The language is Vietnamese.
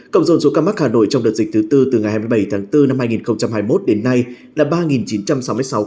cộng dồn số ca mắc hà nội trong đợt dịch thứ tư từ ngày hai mươi bảy tháng bốn năm hai nghìn hai mươi một đến nay là ba chín trăm sáu mươi sáu ca